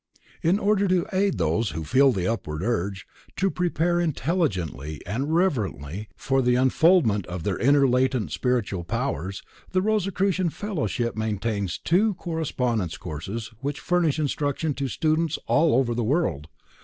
In order to aid those who feel the upward urge, to prepare intelligently and reverently for the unfoldment of their inner latent spiritual powers, the Rosicrucian Fellowship maintains two correspondence courses which furnish instruction to students all over the world.